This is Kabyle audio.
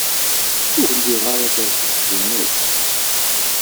Ur liɣ ara tabɣest-nnek.